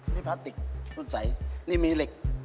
พี่แปลติกน้นใสมีเหล็ก